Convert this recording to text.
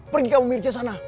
pergi kamu pergi ke sana